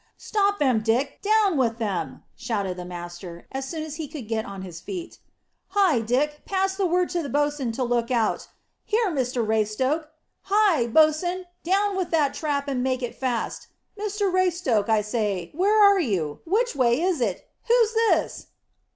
"Stop them, Dick. Down with them!" shouted the master, as soon as he could get on his feet. "Hi, Dick! Pass the word to the bo's'n to look out. Here, Mr Raystoke! Hi, bo's'n, down with that trap and make it fast. Mr Raystoke, I say, where are you? Which way is it? Who's this?"